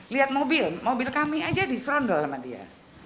lihat mobil mobil kami aja diserondol sama dia